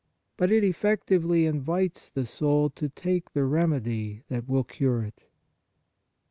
But it effectively invites the soul to take the remedy that will cure it.